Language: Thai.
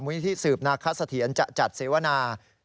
มูลทิศสืบนาคสะเถียนจะจัดเสียวนา